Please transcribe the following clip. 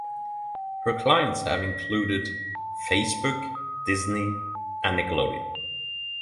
Her clients have included Facebook, Disney and Nickelodeon.